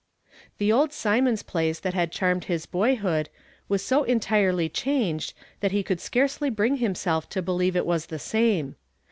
The old Synionds i)lace that had charmed his boyhood was so entirely changed that he could scarcely bring himself to believe it was the same.